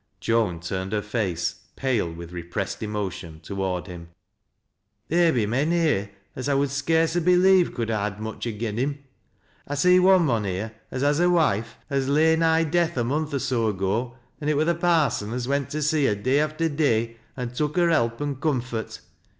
Joan turned her face, pale with repressed emotion, toward him. " There be men here as I would scarce ha' believed 30uld ha' had much agen him. I see one mon hej'e as has a wife as lay nigh death a month or so ago, an' it were the parsot as went to see her day after day, an' tuk her help and "TURNED METHODT.' ' 211 comfort.